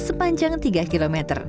sepanjang tiga km